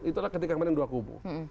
itulah ketika kemarin dua kubu